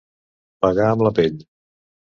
Pagar amb la pell.